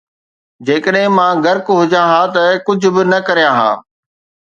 جيڪڏهن مان غرق هجان ها ته ڪجهه به نه ڪريان ها